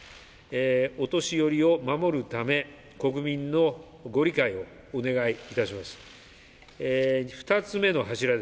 お年寄りを守るため国民のご理解をお願いいたします。